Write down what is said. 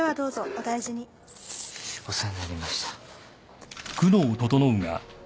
お世話になりました。